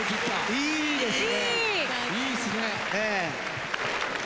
いいですね。